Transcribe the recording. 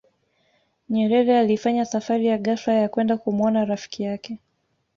nyerere alifanya safari ya ghafla ya kwenda kumuona rafiki yake